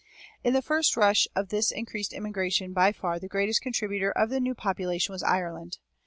In the first rush of this increased immigration by far the greatest contributor of new population was Ireland.